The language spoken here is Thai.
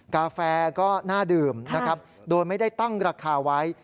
กาแฟก็น่าดื่มนะครับโดยไม่ได้ตั้งราคาไว้